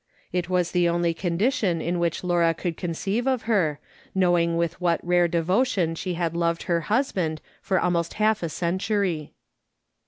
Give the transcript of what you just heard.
It was the only condition in which Laura could conceive of her, knowing with wliat rare devotion she had loved her husband for almost half a century.